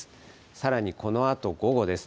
さらにこのあと午後です。